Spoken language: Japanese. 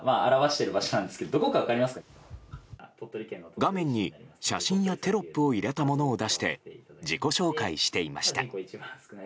画面に写真やテロップを入れたものを出して自己紹介していました。